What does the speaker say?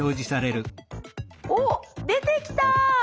おっ出てきた！